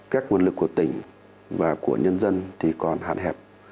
các nguồn lực của tỉnh và của nhân dân thì còn hạn hẹp